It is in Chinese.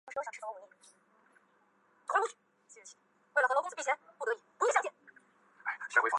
上加尔萨斯是巴西马托格罗索州的一个市镇。